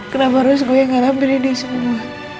kenapa harus gue yang ngalamin ini semua